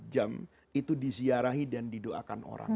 dua puluh empat jam itu diziarahi dan didoakan orang